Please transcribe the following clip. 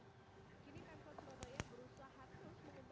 ketua majelis uroh yang berusaha terus menentukan festival ini